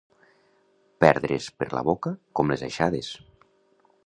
Perdre's per la boca... com les aixades.